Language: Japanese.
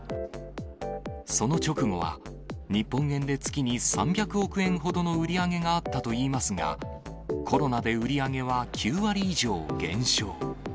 その直後は、日本円で月に３００億円ほどの売り上げがあったといいますが、コロナで売り上げは９割以上減少。